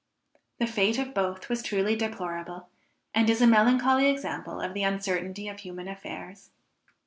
The fate of both was truly deplorable, and is a melancholy example of the uncertainty of human affairs.